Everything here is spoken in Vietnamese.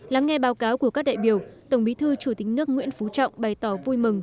lắng nghe báo cáo của các đại biểu tổng bí thư chủ tịch nước nguyễn phú trọng bày tỏ vui mừng